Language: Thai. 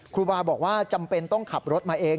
ครูบาบอกว่าจำเป็นต้องขับรถมาเอง